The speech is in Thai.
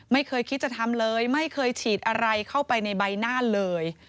ไม่เคยคิดจะทำเลยไม่เคยฉีดอะไรเข้าไปในใบหน้าเลย